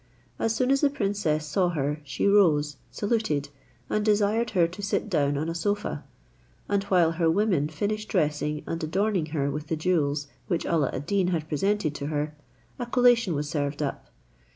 As soon as the princess saw her, she rose, saluted, and desired her to sit down on a sofa; and while her women finished dressing and adorning her with the jewels which Alla ad Deen had presented to her, a collation was served up.